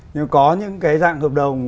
nhưng có những cái dạng hợp đồng